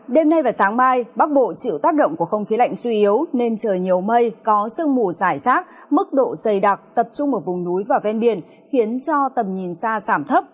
đêm nay và sáng mai bắc bộ chịu tác động của không khí lạnh suy yếu nên trời nhiều mây có sương mù dài rác mức độ dày đặc tập trung ở vùng núi và ven biển khiến cho tầm nhìn xa giảm thấp